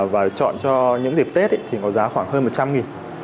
và chọn cho những dịp tết thì có giá khoảng hơn một trăm linh nghìn